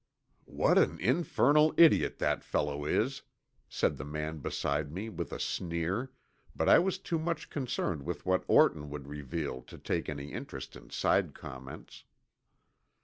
"What an infernal idiot that fellow is," said the man beside me with a sneer, but I was too much concerned with what Orton would reveal to take any interest in side comments.